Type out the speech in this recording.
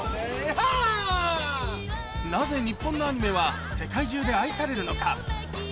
なぜ日本のアニメは世界中で愛されるのか？